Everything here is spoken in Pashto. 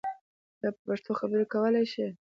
ته په پښتو خبری کولای شی!